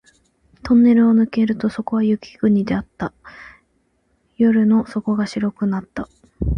トンネルを抜けるとそこは雪国であった。夜の底が白くなった